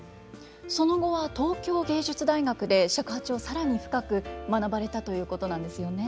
その後は東京藝術大学で尺八を更に深く学ばれたということなんですよね。